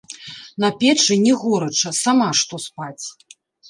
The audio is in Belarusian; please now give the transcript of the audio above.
На печы не горача, сама што спаць.